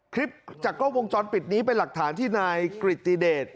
คลิปจากกล้องวงจรปิดนี้เป็นหลักฐานที่นายกริติเดช